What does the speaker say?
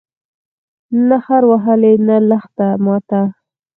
نه خر وهلی، نه لښته ماته